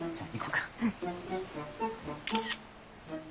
うん。